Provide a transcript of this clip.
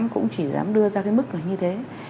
cũng chỉ dám đưa ra cái mức là như thế